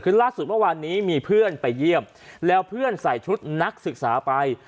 คือล่าสุดเมื่อวานนี้มีเพื่อนไปเยี่ยมแล้วเพื่อนใส่ชุดนักศึกษาไป